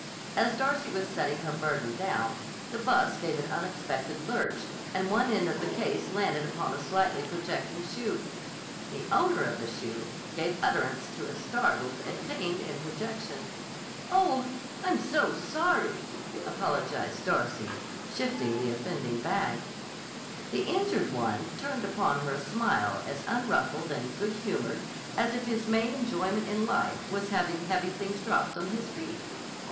As Darcy was setting her burden down, the bus gave an unexpected lurch and one end of the case landed upon a slightly projecting shoe. The owner of the shoe gave utterance to a startled and pained interjection. "Oh, I'm so sorry!" apologized Darcy, shifting the offending bag. The injured one turned upon her a smile as unruffled and good humored as if his main enjoyment in life was having heavy things dropped on his feet.